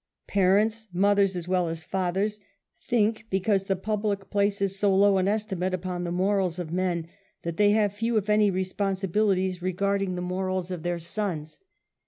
Parents, mothers as well as fathers, think because the public places so low an estimate upon the morals of men, that they have few if any responsibilities regarding the morals of their sons.